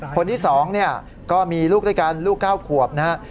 คนที่๒เนี่ยก็มีลูกด้วยกันลูก๙ขวบนะฮะ